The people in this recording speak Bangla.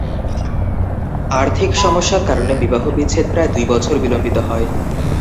আর্থিক সমস্যার কারণে বিবাহ বিচ্ছেদ প্রায় দুই বছর বিলম্বিত হয়।